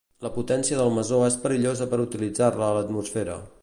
La potència del mesó és perillosa per utilitzar-la a l'atmosfera.